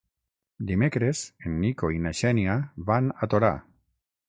Dimecres en Nico i na Xènia van a Torà.